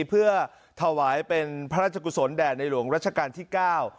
เพื่อถวายเป็นพระราชกุศลแด่ในหลวงรัชกาลที่เก้า